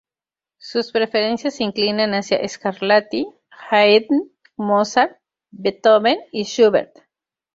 Sus preferencias se inclinan hacia Scarlatti, Haydn, Mozart, Beethoven y Schubert.